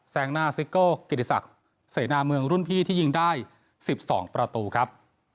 งหน้าซิโก้กิติศักดิ์เสนาเมืองรุ่นพี่ที่ยิงได้๑๒ประตูครับ